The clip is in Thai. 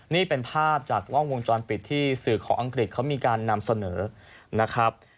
นี่เป็นภาพจากกล้องวงจรปิดที่สื่อของอังกฤษเขามีการนำเสนอนะครับ